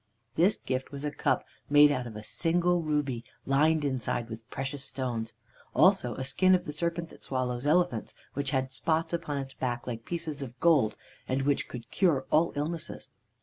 "This gift was a cup made out of a single ruby lined inside with precious stones, also a skin of the serpent that swallows elephants, which had spots upon its back like pieces of gold, and which could cure all illnesses.